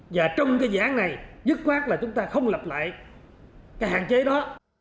và trong cái dự án này dứt khoát là chúng ta không lập lại cái hạn chế đó